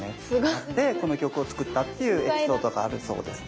でこの曲を作ったっていうエピソードがあるそうですね。